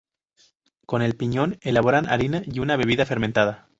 Con el piñón elaboraban harina y una bebida fermentada.